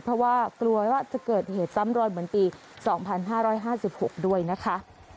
เพราะว่ากลัวว่าจะเกิดเหตุซ้ำรอยเหมือนปี๒๕๕๖ด้วยนะคะ